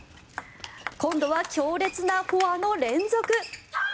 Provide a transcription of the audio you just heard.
今度は強烈なフォアの連続！